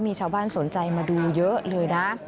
มีชาวบ้านสนใจมาดูเยอะเลยนะ